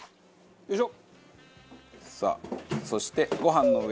よいしょ。